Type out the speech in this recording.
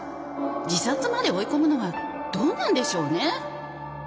自殺まで追い込むのはどうなんでしょうね」。